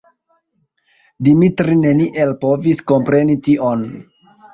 Dimitri neniel povis kompreni tion.